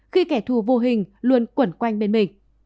khi kẻ thù vô hình luôn quẩn quanh bên mình